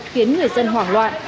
khiến người dân hoảng loạn